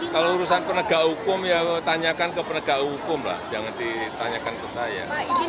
kalau urusan penegak hukum ya tanyakan ke penegak hukum lah jangan ditanyakan ke saya